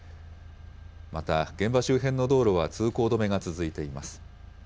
また現場周辺の道路は通行止めが続いています。